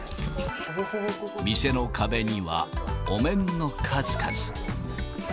店の壁には、お面の数々。